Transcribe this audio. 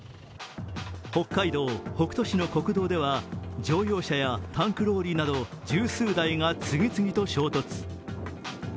北海道北斗市の国道では他にも乗用車やタンクローリーなど十数台が次々と衝突。